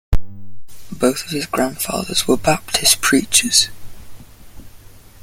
Both of his grandfathers were Baptist preachers.